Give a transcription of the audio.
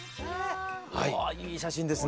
わあいい写真ですね。